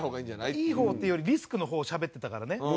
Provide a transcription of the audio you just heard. いい方っていうよりリスクの方しゃべってたからね。